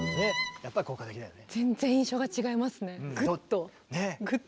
やっぱり効果的だよね。